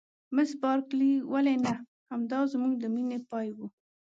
مس بارکلي: ولې نه؟ همدای زموږ د مینې پای و.